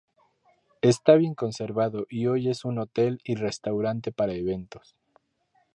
Está bien conservado y hoy es un hotel y restaurante para eventos.